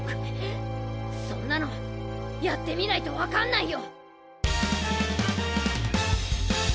そんなのやってみないとわかんないよ！